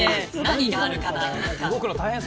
何があるかな。